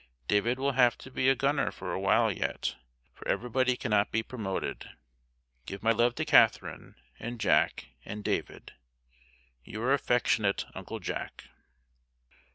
David will have to be a gunner for awhile yet, for everybody cannot be promoted. Give my love to Katharine, and Jack, and David. Your affectionate uncle Jack.